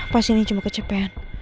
pas ini cuma kecepean